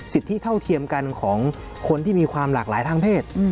เท่าเทียมกันของคนที่มีความหลากหลายทางเพศ